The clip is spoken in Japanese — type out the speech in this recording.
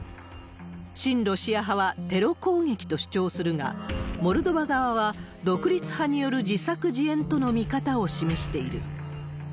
親ロシア派はテロ攻撃と主張するが、モルドバ側は、独立派による自作自演との見方を示している。